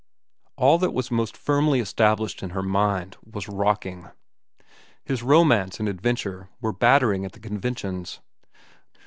All that was most firmly established in her mind was rocking. His romance and adventure were battering at the conventions.